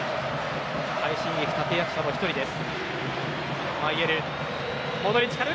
快進撃の立役者の１人です。